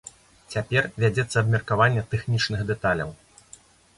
Цяпер вядзецца абмеркаванне тэхнічных дэталяў.